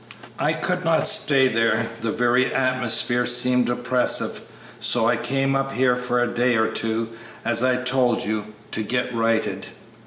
I could not stay there; the very atmosphere seemed oppressive; so I came up here for a day or two, as I told you, to get righted."